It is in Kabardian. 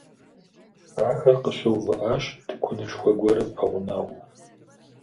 Ахэр къыщыувыӏащ тыкуэнышхуэ гуэрым пэгъунэгъуу.